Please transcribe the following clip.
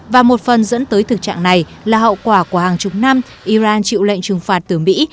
và một phần dẫn tới thực trạng này là hậu quả của hàng chục năm iran chịu lệnh trừng phạt từ mỹ